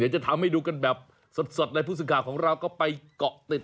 อืมจะทำให้ดูกันแบบสดในภูมิสุขาของเราก็ไปเกาะติด